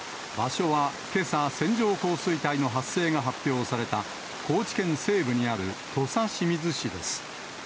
場所は、けさ、線状降水帯の発生が発表された、高知県西部にある土佐清水市です。